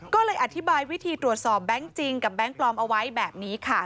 ก็เลยอธิบายวิธีตรวจสอบแบงค์จริงกับแบงค์ปลอมเอาไว้แบบนี้ค่ะ